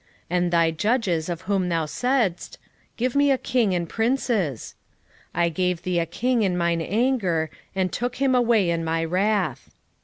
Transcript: and thy judges of whom thou saidst, Give me a king and princes? 13:11 I gave thee a king in mine anger, and took him away in my wrath.